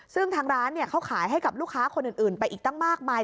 ซึ่งทางร้านเขาขายให้กับลูกค้าคนอื่นไปอีกตั้งมากมาย